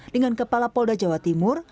dengan kepala polda jawa timur